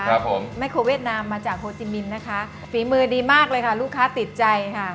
ครับผมแม่โครเวียดนามมาจากโฮติมินนะคะฝีมือดีมากเลยค่ะลูกค้าติดใจค่ะ